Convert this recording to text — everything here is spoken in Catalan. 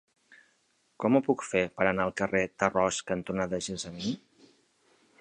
Com ho puc fer per anar al carrer Tarròs cantonada Gessamí?